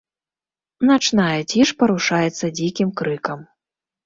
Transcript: Начная ціш парушаецца дзікім крыкам.